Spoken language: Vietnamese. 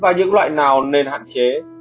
và những loại nào nên hạn chế